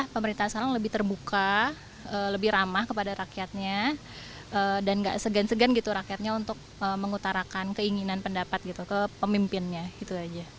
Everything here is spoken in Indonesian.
pemerintah sekarang lebih terbuka lebih ramah kepada rakyatnya dan gak segan segan gitu rakyatnya untuk mengutarakan keinginan pendapat gitu ke pemimpinnya gitu aja